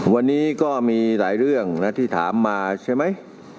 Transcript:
วันนี้ก็มีหลายเรื่องนะที่ถามมาใช่ไหม